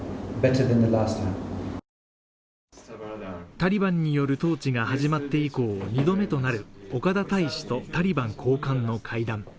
タリバンによる統治が始まって以降２度目となる岡田大使とタリバン高官の会談